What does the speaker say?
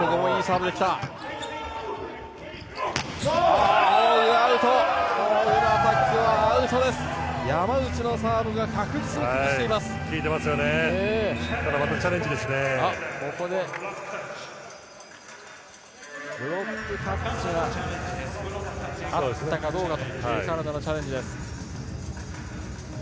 ブロックタッチがあったかどうかというカナダのチャレンジです。